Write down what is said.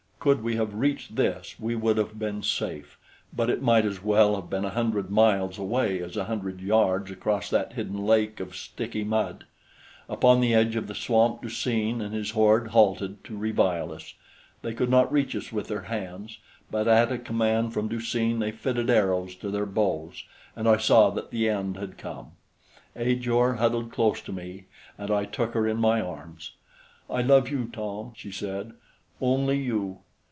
Could we have reached this, we would have been safe; but it might as well have been a hundred miles away as a hundred yards across that hidden lake of sticky mud. Upon the edge of the swamp Du seen and his horde halted to revile us. They could not reach us with their hands; but at a command from Du seen they fitted arrows to their bows, and I saw that the end had come. Ajor huddled close to me, and I took her in my arms. "I love you, Tom," she said, "only you."